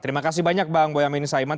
terima kasih banyak bang boyamin saiman